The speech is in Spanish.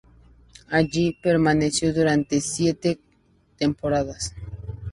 Allí permaneció durante siete temporadas.